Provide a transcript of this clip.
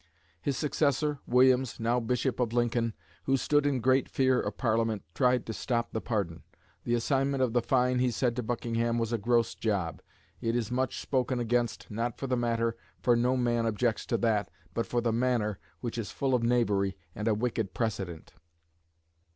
His successor, Williams, now Bishop of Lincoln, who stood in great fear of Parliament, tried to stop the pardon. The assignment of the fine, he said to Buckingham, was a gross job "it is much spoken against, not for the matter (for no man objects to that), but for the manner, which is full of knavery, and a wicked precedent.